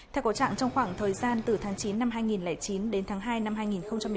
theo cổ trạng trong khoảng thời gian từ tháng chín năm hai nghìn chín đến tháng hai năm hai nghìn một mươi tám